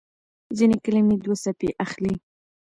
ځينې کلمې دوه څپې اخلي.